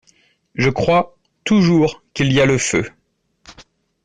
Je crois toujours qu’il y a le feu.